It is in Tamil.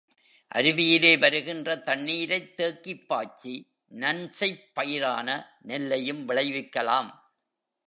அருவியிலே வருகின்ற தண்ணீரைத் தேக்கிப் பாய்ச்சி நன்செய்ப் பயிரான நெல்லையும் விளைவிக்கலாம்.